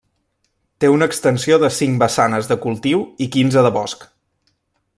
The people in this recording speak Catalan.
Té una extensió de cinc vessanes de cultiu i quinze de bosc.